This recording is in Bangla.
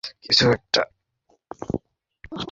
আমরা এই ঘটনাকে ধামাচাপা দিয়ে দেব।